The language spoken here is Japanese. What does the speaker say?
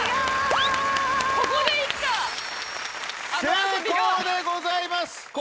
成功でございます。